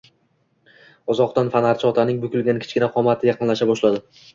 Uzoqdan Fanorchi otaning bukilgan kichkina qomati yaqinlasha boshladi